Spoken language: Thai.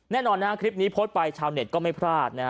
แน่นอนนะฮะคลิปนี้โพสต์ไปชาวเน็ตก็ไม่พลาดนะฮะ